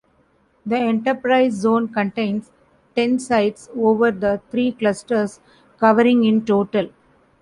The enterprise zone contains ten sites over the three clusters, covering in total.